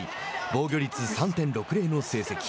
防御率３．６０の成績。